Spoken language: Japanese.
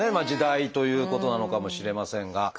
時代ということなのかもしれませんが。